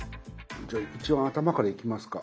じゃあ一番頭からいきますか。